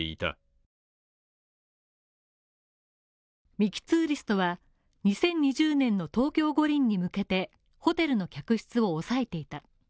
ミキ・ツーリストは、２０２０年の東京五輪に向けて、ホテルの客室を抑えていた。